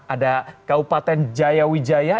ada kabupaten jaya wijaya